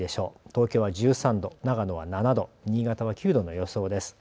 東京は１３度、長野は７度、新潟９度の予想です。